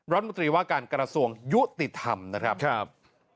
รัฐมนตรีว่าการกระทรวงยุติธรรมนะครับ